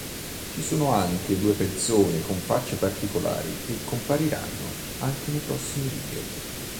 Ci sono anche due persone con facce particolari che compariranno anche nei prossimi video.